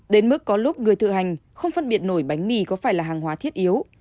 đến mức có lúc người tự hành không phân biệt nổi bánh mì có phải là hàng hóa thiết yếu